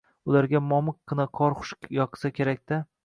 Ularga momiqqina qor xush yoqsa kerak-da